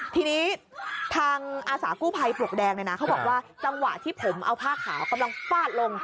ทีนี้ทางอาสากู้ภัยปลวกแดงเนี่ยนะเขาบอกว่าจังหวะที่ผมเอาผ้าขาวกำลังฟาดลง